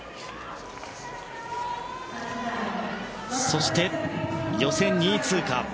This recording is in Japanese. そして、予選２位通過